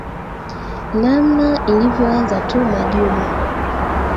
namna ilivyo anza tu majuma